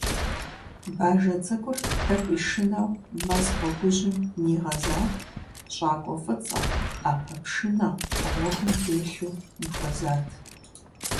Бажэ цӀыкӀур тӀэкӀуи шынэу мэз гъуэгужьым нигъэзат, щӀакӀуэ фӀыцӀэ, Ӏэпэ пшынэ гъуэгум телъу ныхуэзат.